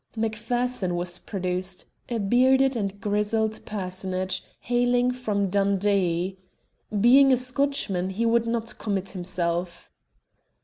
Macpherson was produced, a bearded and grizzled personage, hailing from Dundee. Being a Scotchman he would not commit himself.